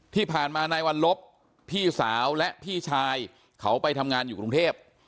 ที่ผ่านมานายวัลลบพี่สาวและพี่ชายเขาไปทำงานอยู่กรุงเทพ